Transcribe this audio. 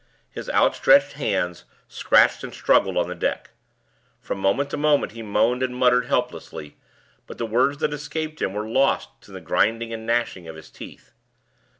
His outstretched hands scratched and struggled on the deck. From moment to moment he moaned and muttered helplessly; but the words that escaped him were lost in the grinding and gnashing of his teeth.